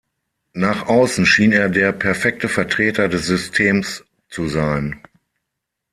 Nach außen schien er der perfekte Vertreter des Systems zu sein.